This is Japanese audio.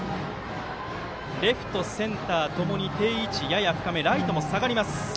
レフト、センターともにやや深め、ライトも下がります。